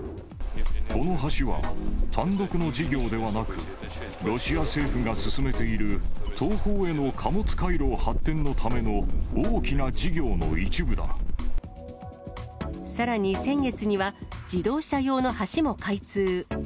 この橋は、単独の事業ではなく、ロシア政府が進めている東方への貨物回廊発展のための大きな事業さらに先月には、自働車用の橋も開通。